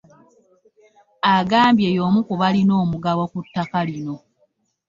Agambye y'omu ku balina omugabo ku ttaka lino.